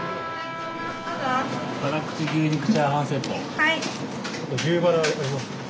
はい。